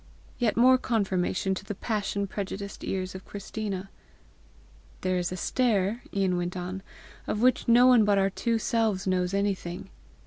Yet more confirmation to the passion prejudiced ears of Christina! "There is a stair," Ian went on, "of which no one but our two selves knows anything.